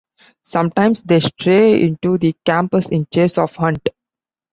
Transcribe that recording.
Sometimes they stray into the campus in chase of hunt.